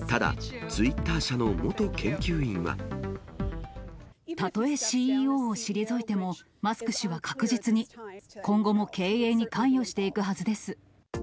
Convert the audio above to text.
ただ、たとえＣＥＯを退いても、マスク氏は確実に今後も経営に関与していくはずです。